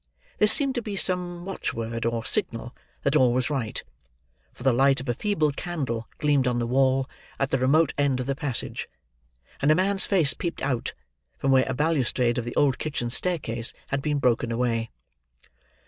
This seemed to be some watchword or signal that all was right; for the light of a feeble candle gleamed on the wall at the remote end of the passage; and a man's face peeped out, from where a balustrade of the old kitchen staircase had been broken away.